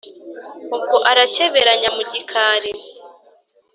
ubwo arakeberanya mu gikari,